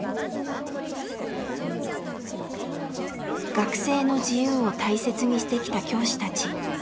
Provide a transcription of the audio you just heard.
学生の自由を大切にしてきた教師たち。